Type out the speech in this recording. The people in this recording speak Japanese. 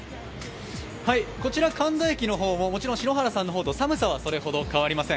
こちら神田駅の方も篠原さんの方と寒さはそれほど変わりません。